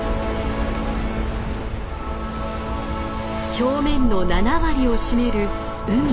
表面の７割を占める海。